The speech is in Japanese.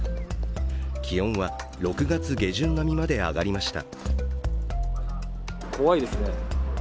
気温は６月下旬並みまで上がりました。